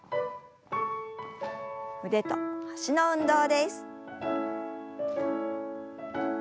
腕と脚の運動です。